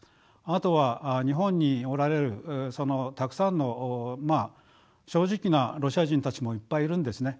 あとは日本におられるたくさんの正直なロシア人たちもいっぱいいるんですね。